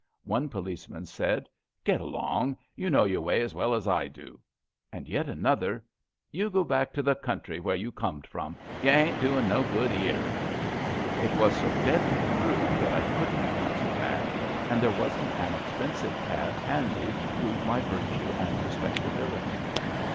One policeman said: Get along. You know your way as well as I do. And yet another: '* You go back to the country where you corned from. You ain't doin' no good 'ere !*' It was so deadly true that I couldn't answer back, and there wasn't an expensive cab handy to prove my virtue and respectability.